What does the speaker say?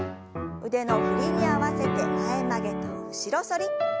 腕の振りに合わせて前曲げと後ろ反り。